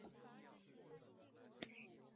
历朝水患尤以黄河为烈。